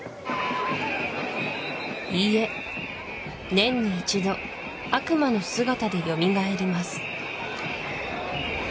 いいえ年に一度悪魔の姿でよみがえります